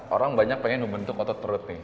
orang banyak pengen membentuk otot perut nih